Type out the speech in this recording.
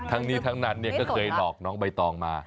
ทั้งนี้ทั้งนั้นก็เคยหลอกน้องใบตองมา